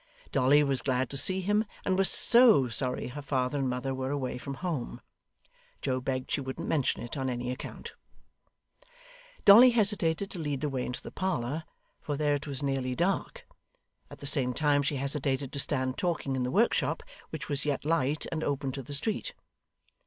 Dolly was glad to see him, and was SO sorry her father and mother were away from home. Joe begged she wouldn't mention it on any account. Dolly hesitated to lead the way into the parlour, for there it was nearly dark; at the same time she hesitated to stand talking in the workshop, which was yet light and open to the street.